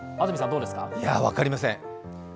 いや、分かりません。